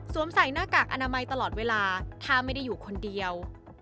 ใส่หน้ากากอนามัยตลอดเวลาถ้าไม่ได้อยู่คนเดียว